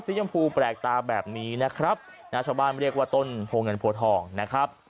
ยำพูแปลกตาแบบนี้นะครับนะชาวบ้านเรียกว่าต้นโพเงินโพทองนะครับ